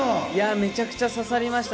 めちゃくちゃ刺さりました。